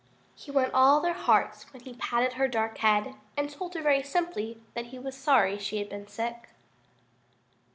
He won all their hearts when he patted her dark head and told her very simply that he was sorry she had been sick.